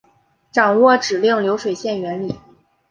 掌握指令流水线原理